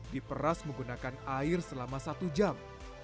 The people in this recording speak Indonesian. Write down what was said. diperas menggunakan air selama satu jam